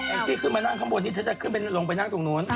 แองจี้ขึ้นมานั่งข้างบนนี้ฉันจะลงไปนั่งตรงโน้น